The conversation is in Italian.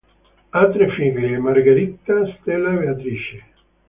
Ha tre figlie: Margherita, Stella e Beatrice.